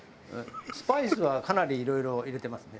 スパイスはかなりいろいろ入れてますね。